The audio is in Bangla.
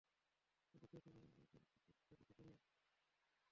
কিন্তু সেই সময় তোমার প্রস্তুত থাকা অনেক জরুরি।